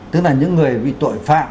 tức là những người bị tội phạm